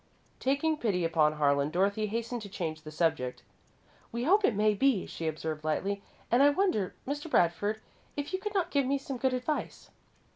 Taking pity upon Harlan, Dorothy hastened to change the subject. "We hope it may be," she observed, lightly, "and I wonder, Mr. Bradford, if you could not give me some good advice?"